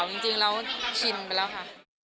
แต่จริงเราชินไปแล้วค่ะ